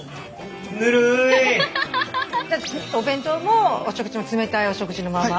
お弁当も冷たいお食事のまま？